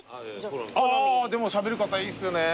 あでもしゃべる方いいっすよね。